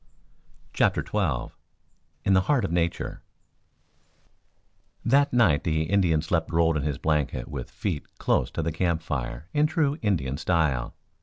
CHAPTER XII IN THE HEART OF NATURE That night the Indian slept rolled in his blanket with feet close to the campfire in true Indian style.